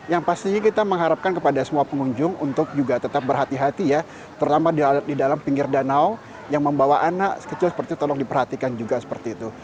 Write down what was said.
yang pastinya kita mengharapkan kepada semua pengunjung untuk juga tetap berhati hati ya terutama di dalam pinggir danau yang membawa anak kecil seperti itu tolong diperhatikan juga seperti itu